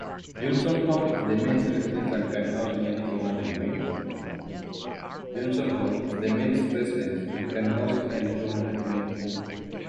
Johnson Hall is the men's residence and can house nearly two hundred men.